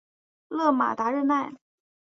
勒马达热奈。